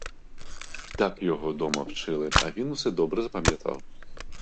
Так його вдома вчили, і він усе добре запам'ятав.